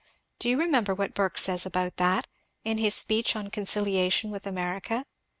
Do you remember what Burke says about that? in his speech on Conciliation with America?"